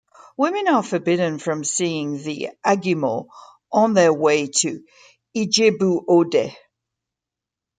Women are forbidden from seeing the Agemo on their way to Ijebu-Ode.